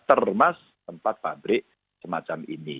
termas tempat pabrik semacam ini